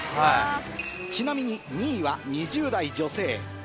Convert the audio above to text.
ちなみに２位は２０代女性。